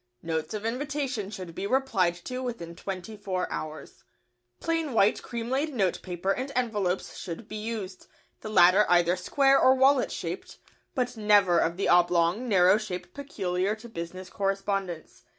Notes of invitation should be replied to within twenty four hours. [Sidenote: Writing materials.] Plain white cream laid notepaper and envelopes should be used, the latter either square or wallet shaped, but never of the oblong, narrow shape peculiar to business correspondence.